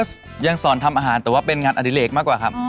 ยังสอนทำอาหารแต่ว่าเป็นงานอดิเลกมากกว่าครับ